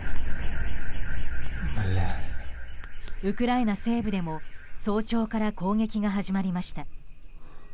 ウクライナ西部でも早朝から攻撃が始まりました。